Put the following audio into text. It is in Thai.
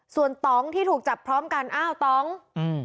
ส่วนตองที่ถูกจับพร้อมกันอ้าวตองอืม